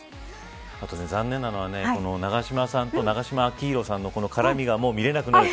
あと残念なのは永島さんと永島昭浩さんのからみがもう見れなくなる。